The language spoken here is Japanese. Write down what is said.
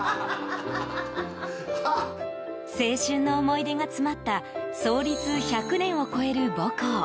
青春の思い出が詰まった創立１００年を超える母校。